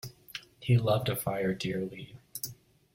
He loved a fire dearly.